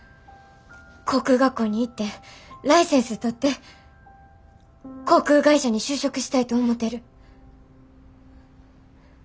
航空学校に行ってライセンス取って航空会社に就職したいと思てる。